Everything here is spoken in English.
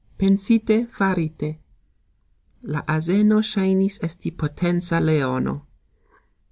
Pensite, farite. La azeno sxajnis esti potenca leono.